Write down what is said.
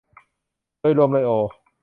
โดยรวมเลยโอ